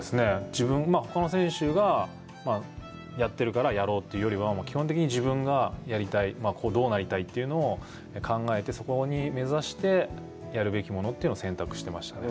自分、ほかの選手がやってるから、やろうというよりは、基本的に自分がやりたい、どうなりたいといったのを考えて、そこに目指してやるべきものというのを選択してましたね。